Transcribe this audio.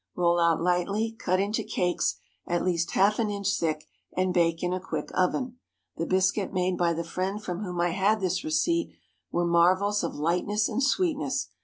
Roll out lightly, cut into cakes at least half an inch thick, and bake in a quick oven. The biscuit made by the friend from whom I had this receipt were marvels of lightness and sweetness.